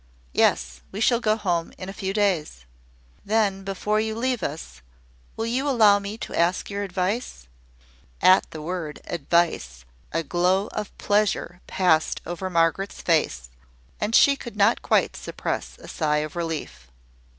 "Yes: we shall go home in a few days." "Then, before you leave us, will you allow me to ask your advice ?" At the word "advice" a glow of pleasure passed over Margaret's face, and she could not quite suppress a sigh of relief.